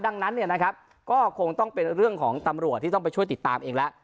ดังนั้นเนี่ยนะครับก็คงต้องเป็นเรื่องของตำรวจที่ต้องไปช่วยติดตามเองแล้ว